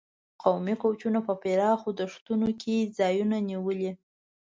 کوچي قومونو په پراخو دښتونو کې ځایونه نیولي.